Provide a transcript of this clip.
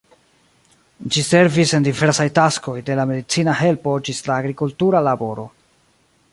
Ĝi servis en diversaj taskoj de la medicina helpo ĝis la agrikultura laboro.